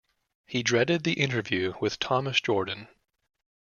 He dreaded the interview with Thomas Jordan.